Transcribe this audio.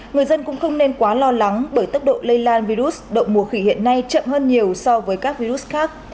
người dân cũng không nên quá lo lắng bởi tốc độ lây lan virus động mùa khỉ hiện nay chậm hơn nhiều so với các virus khác